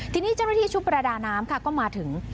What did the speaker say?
ทีนี้เจ้าหน้าที่ชุดประดาน้ำค่ะก็มาถึง